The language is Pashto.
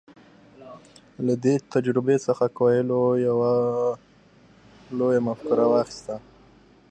له دې تجربې څخه کویلیو یوه لویه مفکوره واخیسته.